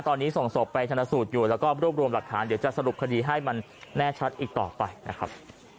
ตอนนี้ส่งศพไปชนะสูตรอยู่แล้วก็รวบรวมหลักฐานเดี๋ยวจะสรุปคดีให้มันแน่ชัดอีกต่อไปนะครับ